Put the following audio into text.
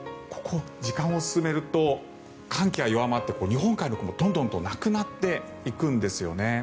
時間を進めると寒気は弱まって日本海の雲がどんどんなくなっていくんですよね。